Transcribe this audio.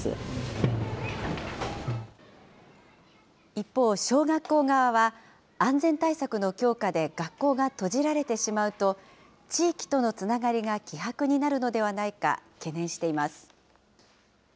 一方、小学校側は、安全対策の強化で学校が閉じられてしまうと、地域とのつながりが希薄になるのではないか懸念しています。